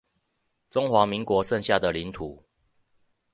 中華民國剩下的領土